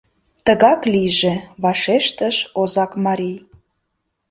— Тыгак лийже! — вашештыш озакмарий.